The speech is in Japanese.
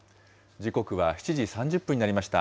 時刻は７時３０分になりました。